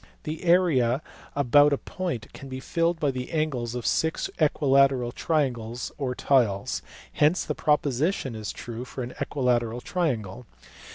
The area about a point can be filled by the angles of six equilateral triangles or tiles, hence the proposition is true for an equilateral triangle.